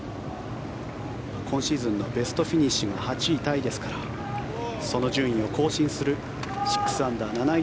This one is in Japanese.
今シーズンのベストフィニッシュが８位タイですからその順位を更新する６アンダー７位